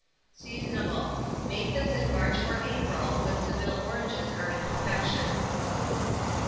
Seasonable. Make this in March or April, when Seville oranges are in perfection.